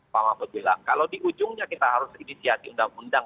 pak mahfud bilang kalau di ujungnya kita harus inisiasi undang undang